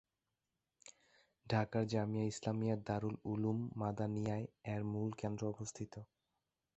ঢাকার জামিয়া ইসলামিয়া দারুল উলুম মাদানিয়ায় এর মূল কেন্দ্র অবস্থিত।